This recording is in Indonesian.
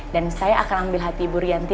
dan saya akan ambil hati ibu rianti